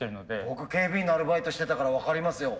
僕警備員のアルバイトしてたから分かりますよ。